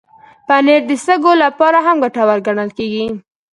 پنېر د سږو لپاره هم ګټور ګڼل شوی.